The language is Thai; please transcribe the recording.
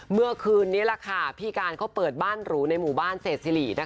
เมื่อคืนนี้พี่การเขาเปิดบ้านหรูในหมู่บ้านเศษสิริ